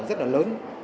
rất là lớn